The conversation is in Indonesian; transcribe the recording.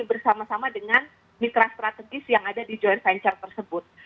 bersama sama dengan mitra strategis yang ada di joint venture tersebut